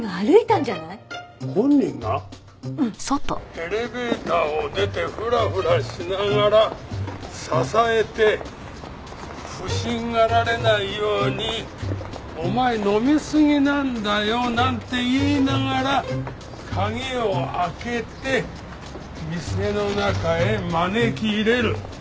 エレベーターを出てフラフラしながら支えて不審がられないようにお前飲みすぎなんだよ！なんて言いながら鍵を開けて店の中へ招き入れる。